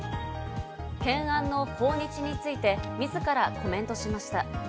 懸案の訪日について自らコメントしました。